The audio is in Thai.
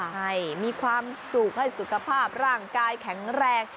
ให้มีความสุขให้สุขภาพร่างกายแข็งแรง